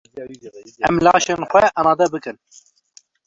Em laşên xwe amade bikin.